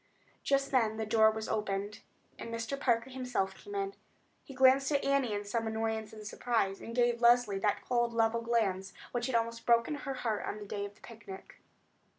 Just then the door was opened, and Mr. Parker himself came in. He glanced at Annie in some annoyance and surprise, and gave Leslie that cold, level glance which had almost broken her heart on the day of the picnic.